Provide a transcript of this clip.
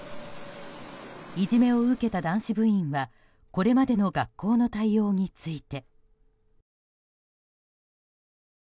いじめを受けた男子部員はこれまでの学校の対応について。